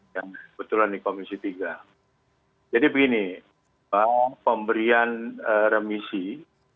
yang kebetulan dikomunikasi dengan dpr dan saya juga berpikir saya tidak bisa mewakili suara dpr secara menyeluruh saya bicara di sini adalah sebagai utara dpr